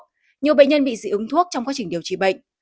nhưng bệnh nhân bị dị ứng thuốc trong quá trình điều trị bệnh